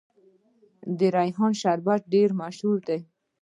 د ریحان شربت ډیر مشهور دی.